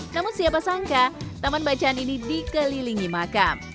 namun siapa sangka taman bacaan ini dikelilingi makam